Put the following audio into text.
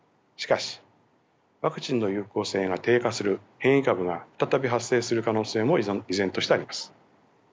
しかしワクチンの有効性が低下する変異株が再び発生する可能性も依然としてあります。